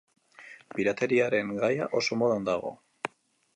Pirateriaren gaia oso modan dago.